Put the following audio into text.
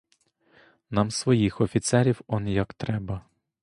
Нам своїх офіцерів он як треба.